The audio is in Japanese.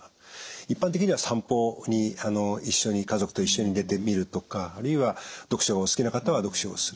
一般的には散歩に一緒に家族と一緒に出てみるとかあるいは読書がお好きな方は読書をする。